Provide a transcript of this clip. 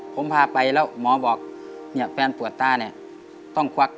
ผมพาไปแล้วหมอบอกแฟนปวดตาต้องควัก